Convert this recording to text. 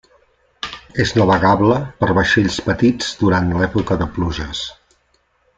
És navegable per vaixells petits durant l'època de pluges.